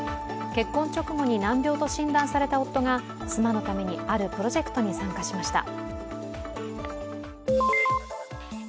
結婚直後に難病と診断された夫が妻のために、あるプロジェクトに参加しました。